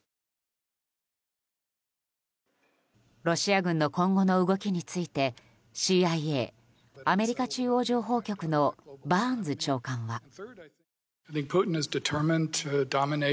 ロシア軍の今後の動きについてＣＩＡ・アメリカ中央情報局のバーンズ長官は。